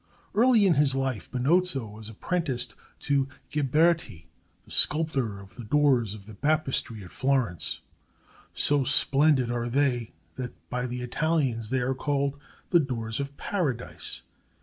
Early in his life Benozzo was apprenticed to Ghiberti, the sculptor of the doors of the baptistery at Florence. So splendid are they that by the Italians they are called "The Doors of Paradise."